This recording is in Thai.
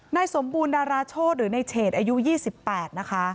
นายสมบูรณดาราโชธหรือในเฉดอายุ๒๘นะคะ